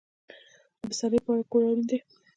د بسترې لپاره کور اړین دی